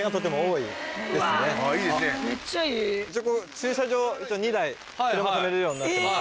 駐車場２台車止めれるようになってますね。